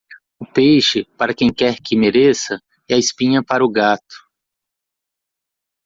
O peixe, para quem quer que mereça, e a espinha para o gato.